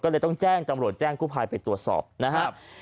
ก็เลยต้องแจ้งจำรวจแจ้งกู้ภัยไปตรวจสอบนะครับ